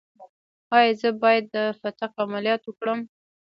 ایا زه باید د فتق عملیات وکړم؟